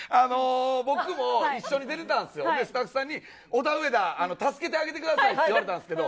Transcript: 僕も一緒に出てたんですよ、スタッフさんに、オダウエダ、助けてあげてくださいって言われたんですけど。